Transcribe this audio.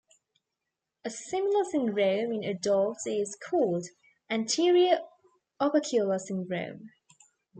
A similar syndrome in adults is called anterior opercular syndrome.